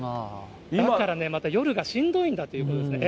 だからね、また夜がしんどいんだということですね。